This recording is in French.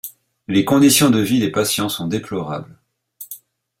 Les conditions de vie des patients sont déplorables.